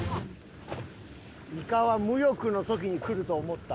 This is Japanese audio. イカは無欲の時にくると思った。